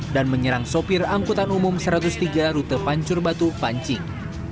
dan menyerang sopir angkutan umum satu ratus tiga rute pancur batu pancing